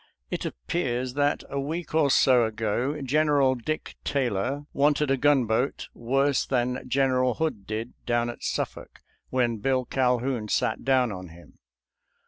It appears that a week or so ago General Dick Taylor wanted a gunboat worse than General Hood did down at Suffolk when Bill Calhoun sat down on him.